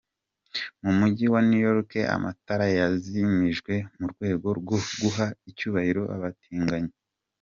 Mu mujyi wa New York, amatara yazimijwe mu rwego rwo guha icyubahiro abatinganyi.